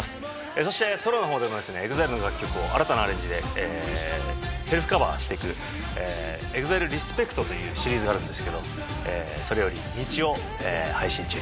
そしてソロの方でもですねＥＸＩＬＥの楽曲を新たなアレンジでセルフカバーしていくＥＸＩＬＥＲＥＳＰＥＣＴというシリーズがあるんですけどそれより『道』を配信中です。